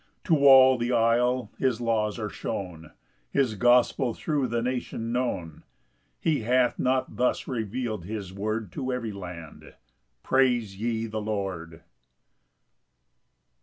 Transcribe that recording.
6 To all the Isle his laws are shown, His gospel thro' the nation known; He hath not thus reveal'd his word To every land: Praise ye the Lord.